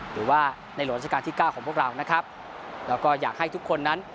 หรือว่าในหลวงราชการที่เก้าของพวกเรานะครับแล้วก็อยากให้ทุกคนนั้น